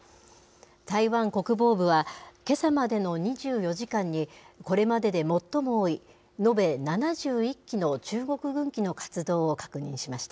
台湾国防部は、けさまでの２４時間に、これまでで最も多い延べ７１機の中国軍機の活動を確認しました。